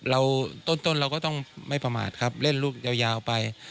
ต้นเราก็ต้องไม่ประมาทครับเล่นรูปยาวไป